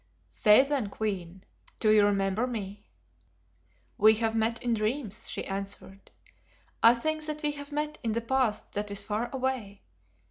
"Say, then, Queen, do you remember me?" "We have met in dreams," she answered, "I think that we have met in a past that is far away.